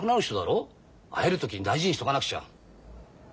会える時に大事にしとかなくちゃ。